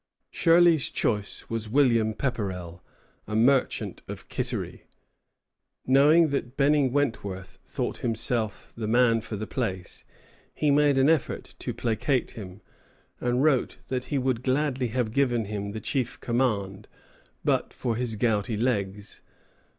Shirley's choice was William Pepperrell, a merchant of Kittery. Knowing that Benning Wentworth thought himself the man for the place, he made an effort to placate him, and wrote that he would gladly have given him the chief command, but for his gouty legs.